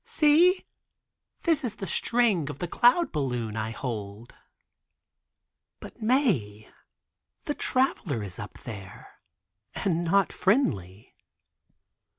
See, this is the string of the cloud balloon I hold." "But Mae, the Traveler is up there and is not friendly."